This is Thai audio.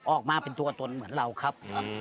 ออกมาเป็นตัวตนเหมือนเราครับ